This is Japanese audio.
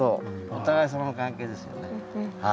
お互いさまの関係ですよねはい。